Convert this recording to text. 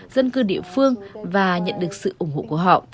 dân cư địa phương và nhận được sự ủng hộ của họ